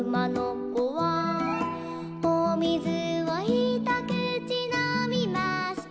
「おみずをひとくちのみました」